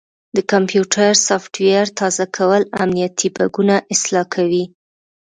د کمپیوټر سافټویر تازه کول امنیتي بګونه اصلاح کوي.